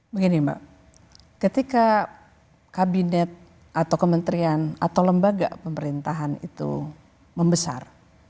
begini mbak ketika kabinet atau kementerian atau lembaga pemerintahan itu membesar